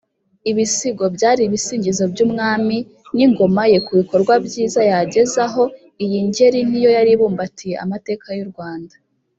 Ibisigo: byari ibisingizo by’umwami n’ingoma ye, ku bikorwa byiza yagezaho iyi ngeri n’iyo yaribumbatiye amateka y’u Rwanda